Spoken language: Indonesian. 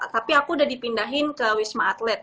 tapi aku udah dipindahin ke wisma atlet